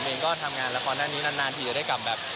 เองก็ทำงานละครด้านนี้นานทีจะได้กลับแบบ